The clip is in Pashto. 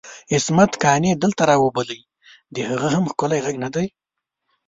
عصمت قانع دلته راوبلئ د هغه هم ښکلی ږغ ندی؟!